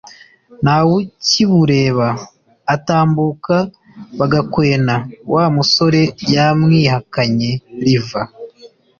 ntawukibureba atambuka bagakwena wamusore yamwihakanye riva